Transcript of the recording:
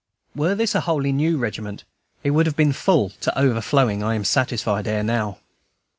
Were this a wholly new regiment, it would have been full to overflowing, I am satisfied, ere now.